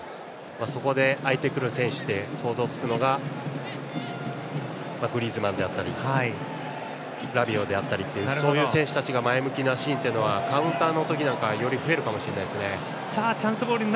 そこで、空いてくる選手で想像がつくのがグリーズマンであったりラビオであったりそういう選手たちが前向きなシーンはカウンターの時により増えるかもしれないですね。